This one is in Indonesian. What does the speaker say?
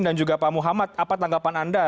dan juga pak muhammad apa tanggapan anda